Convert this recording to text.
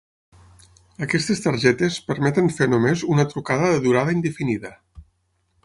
Aquestes targetes permeten fer només una trucada de durada indefinida.